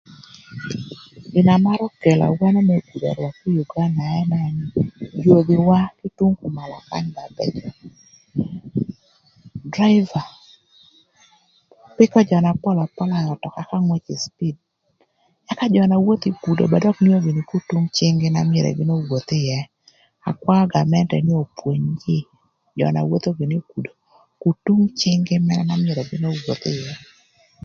Gina marö kelo awano më gudo rwök kï ï Uganda ënë nï yodhiwa kï tung kümalö kany ba bëcö. Draiba pïkö jö na pol apola ï ötöka ëka ngwëcö ï cipid ëka jö na wotho ï gudo ba dök ngeo gïnï kutung cïng-gï na myero gïn owoth gïnï ïë. Akwaö gamenti nï opwony jïï, jö na wotho gïnï ï gudo kutung cïng-gï na myero gïn owoth ïë.